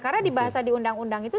karena dibahasa di undang undang itu